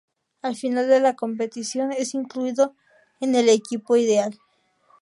Al final de la competición es incluido en el equipo ideal.